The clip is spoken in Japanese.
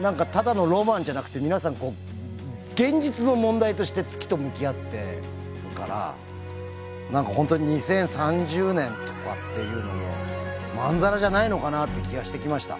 何かただのロマンじゃなくて皆さんこう現実の問題として月と向き合ってるから何か本当に２０３０年とかっていうのもまんざらじゃないのかなって気がしてきました。